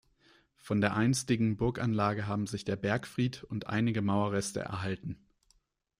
Von der einstigen Burganlage haben sich der Bergfried und einige Mauerreste erhalten.